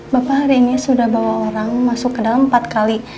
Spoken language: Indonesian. bapak hari ini sudah bawa orang masuk ke dalam empat kali